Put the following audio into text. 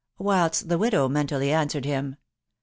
.... Whilst the widow mentally answered him